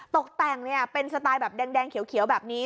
ตกแต่งเป็นสไตล์แบบแดงเขียวแบบนี้